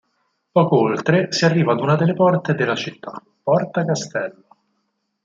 Poco oltre si arriva ad una delle porte della città, Porta Castello.